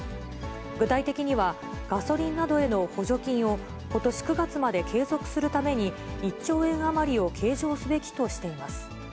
具体的には、ガソリンなどへの補助金をことし９月まで継続するために１兆円余りを計上すべきとしています。